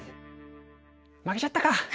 負けちゃったか。